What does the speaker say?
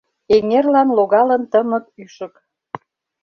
Эҥерлан логалын тымык ӱшык.